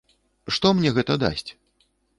Што мне гэта дасць?